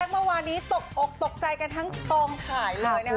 เมื่อวานนี้ตกอกตกใจกันทั้งกองถ่ายเลยนะคะ